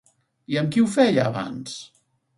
I amb qui ho feia abans?